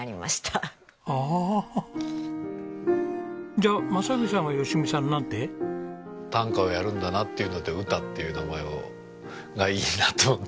じゃあ正文さんは吉美さんをなんて？短歌をやるんだなっていうので「うた」っていう名前がいいなと思って。